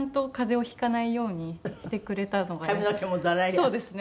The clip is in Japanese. そうですね。